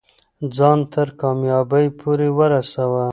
ځان تر کامیابۍ پورې ورسوه.